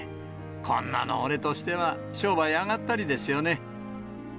こんなの、俺としては、商売上がったりですよね。